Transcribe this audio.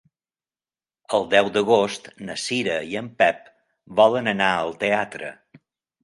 El deu d'agost na Cira i en Pep volen anar al teatre.